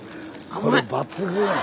これ抜群や。